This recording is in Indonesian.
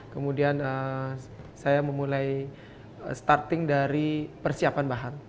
kemudian saya memulai starting dari persiapan bahan